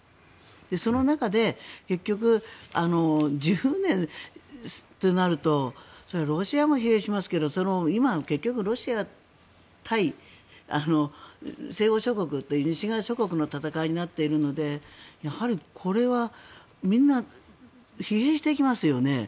その中で結局、１０年となるとそれはロシアも疲弊しますけど今、結局ロシア対西欧諸国という西側諸国の戦いになっているのでやはり、これはみんな疲弊していきますよね。